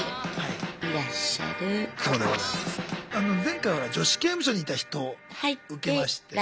前回ほら「女子刑務所にいた人」受けまして。